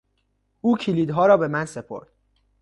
او کلیدها را به من سپرد.